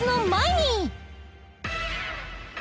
に